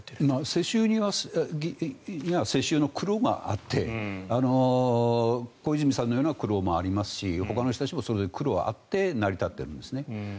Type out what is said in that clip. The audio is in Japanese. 世襲には世襲の苦労があって小泉さんのような苦労もありますし、ほかの人たちもそういう苦労があって成り立っているんです。